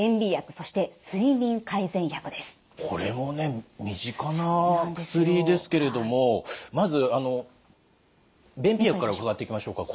これもね身近な薬ですけれどもまず便秘薬から伺っていきましょうか。